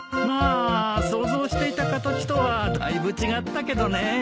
まあ想像していた形とはだいぶ違ったけどね。